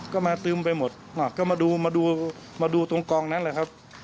ก็มาตึมไปหมดก็มาดูมาดูตรงกองนั้นแหละครับ